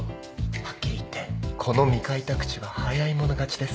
はっきり言ってこの未開拓地は早い者勝ちです。